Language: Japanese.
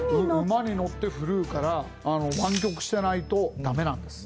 馬に乗って振るうから湾曲してないとダメなんです。